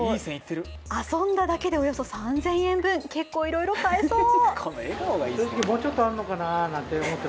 遊んだだけでおよそ３０００円分結構いろいろ買えそう。